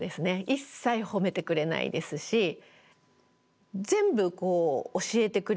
一切褒めてくれないですし全部こう教えてくれるんじゃないんですよね。